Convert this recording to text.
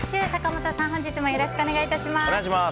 本日もよろしくお願いいたします。